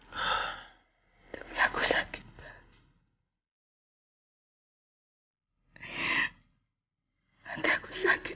tapi aku sakit pak